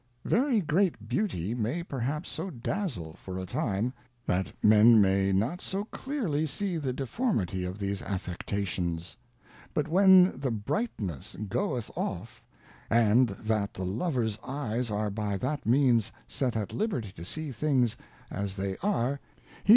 Very grea,t Beauty iiiay perhaps so dazle for a time, that Men may not so clearly see the Deformity of these Affectations ; But when the Brightness goeth off, and that the Lover's Eyes are by that means set at liberty to see things as they are, he will 42 Advice to a Daughter.